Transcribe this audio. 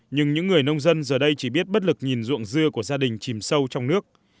nhưng những người nông dân giờ đây chỉ biết bất lực nhìn ruộng dưa của gia đình chìm sâu trong nước